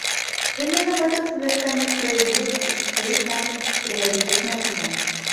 Именно в этом совершенно справедливо и состоит наша приоритетная задача.